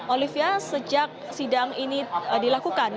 olive ya sejak sidang ini dilakukan